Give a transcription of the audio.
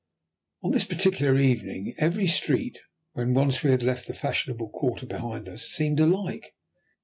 On this particular evening every street, when once we had left the fashionable quarter behind us, seemed alike.